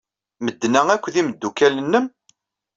Medden-a akk d imeddukal-nnem?